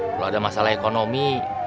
kalau ada masalah ekonomi